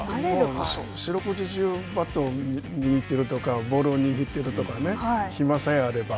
四六時中、バットを握ってるとか、ボールを握ってるとかね、暇さえあれば。